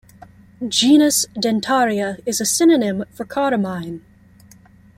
Genus Dentaria is a synonym for "Cardamine".